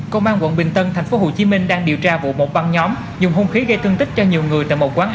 công an quận bình tân tp hcm đang điều tra vụ một băng nhóm